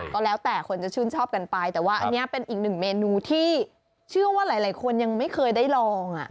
ก็แล้วแต่คนจะชื่นชอบกันไปแต่ว่าอันนี้เป็นอีกหนึ่งเมนูที่เชื่อว่าหลายคนยังไม่เคยได้ลอง